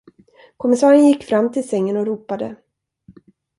Kommissarien gick fram till sängen och ropade.